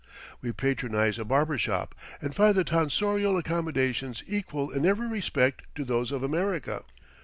We patronize a barber shop, and find the tonsorial accommodations equal in every respect to those of America.